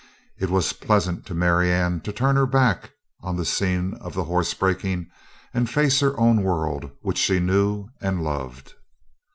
It was pleasant to Marianne to turn her back on the scene of the horse breaking and face her own world which she knew and loved.